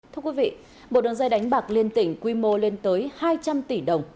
thưa quý vị một đường dây đánh bạc liên tỉnh quy mô lên tới hai trăm linh tỷ đồng